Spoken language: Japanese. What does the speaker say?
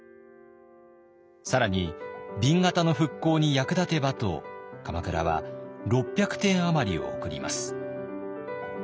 更に紅型の復興に役立てばと鎌倉は６００点余りをおくります。